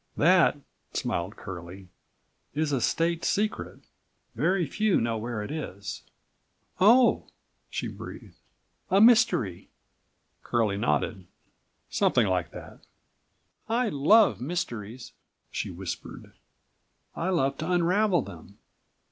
"That," smiled Curlie, "is a state secret; very few know where it is." "Oh!" she breathed. "A mystery?" Curlie nodded. "Something like that." "I love mysteries," she whispered. "I love to unravel them.